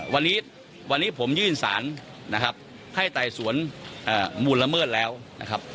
วันนี้วันนี้ผมยื่นสารนะครับให้ไต่สวนมูลละเมิดแล้วนะครับ